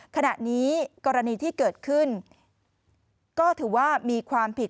ขณะนี้กรณีที่เกิดขึ้นก็ถือว่ามีความผิด